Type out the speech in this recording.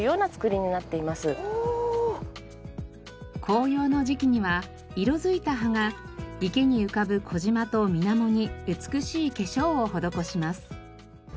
紅葉の時期には色づいた葉が池に浮かぶ小島と水面に美しい化粧を施します。